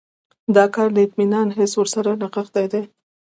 دا کار د اطمینان حس ورسره نغښتی دی.